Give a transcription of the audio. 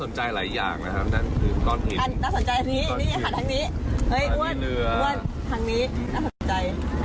นี่ครับคนนี้น่าสนใจ